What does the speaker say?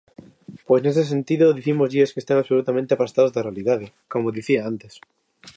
Pois nese sentido dicímoslles que están absolutamente afastados da realidade, como dicía antes.